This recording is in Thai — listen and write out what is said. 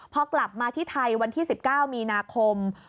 พอกลับมาที่ไทยวันที่๑๙มีนาคม